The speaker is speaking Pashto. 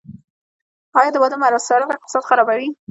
آیا د واده مصارف اقتصاد خرابوي؟